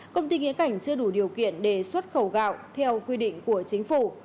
công ty nghĩa cảnh chưa đủ điều kiện để xuất khẩu gạo theo quy định của chính phủ